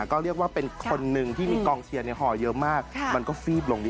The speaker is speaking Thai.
ก็เรียกว่าเป็นคนหนึ่งที่มีกองเชียร์ห่อเยอะมากมันก็ฟีบลงดี